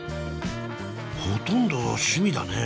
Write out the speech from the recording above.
ほとんど趣味だね。